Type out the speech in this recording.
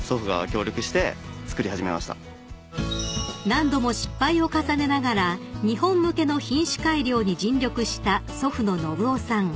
［何度も失敗を重ねながら日本向けの品種改良に尽力した祖父の述夫さん］